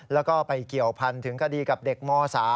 แล้วก็ไปเกี่ยวพันถึงคดีกับเด็กม๓